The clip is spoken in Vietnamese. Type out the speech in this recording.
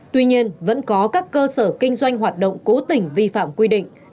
tuy nhiên vẫn có các cơ sở kinh doanh hoạt động cố tình vi phạm quy định